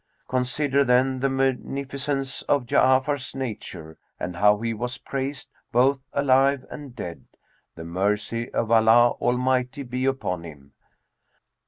Consider then the munificence of Ja'afar's nature and how he was praised both alive and dead, the mercy of Allah Almighty be upon him!